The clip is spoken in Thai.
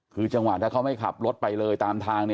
คือจังหวะถ้าเขาไม่ขับรถไปเลยตามทาง